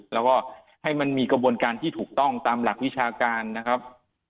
แล้วก็ให้มันมีกระบวนการที่ถูกต้องตามหลักวิชาการนะครับ